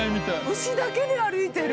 牛だけで歩いてる！